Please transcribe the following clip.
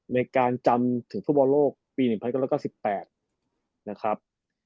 ในการจำถึงฟุตบอลโลกปี๑๙๙๘นะครับ